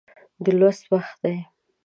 د لوست وخت دی